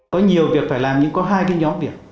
có nhiều việc phải làm nhưng có hai cái nhóm việc